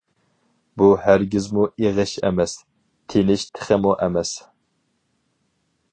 بۇ ھەرگىزمۇ ئېغىش ئەمەس، تېنىش تېخىمۇ ئەمەس.